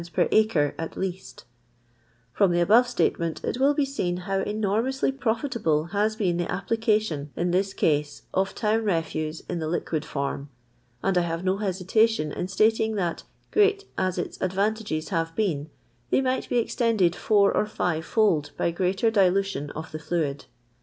per acre at least From the abore statement it will be seen how enormously profitable has been the application in this case of town refiiie in the liquid form ; and I have no hesitatflon in stating that, great as its advantages have been, they might be extended lour or £▼• fold by greater dilution of the fluid.